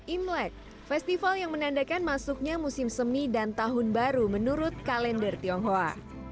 imlek festival yang menandakan masuknya musim semi dan tahun baru menurut kalender tionghoa